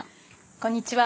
こんにちは。